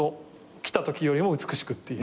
来たときよりも美しくっていう。